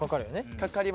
かかります。